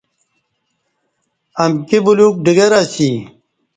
امکی بلیوک ڈگرہ اسی